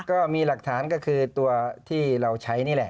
ก็มีหลักฐานก็คือตัวที่เราใช้นี่แหละ